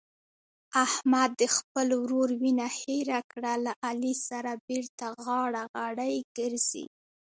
احمد د خپل ورور وینه هېره کړه له علي سره بېرته غاړه غړۍ ګرځي.